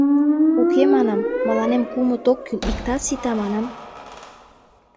Уке, манам, мыланем кумыт ок кӱл, иктат сита, манам.